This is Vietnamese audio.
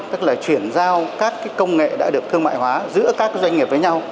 tức là chuyển giao các công nghệ đã được thương mại hóa giữa các doanh nghiệp với nhau